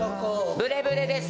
ブレブレです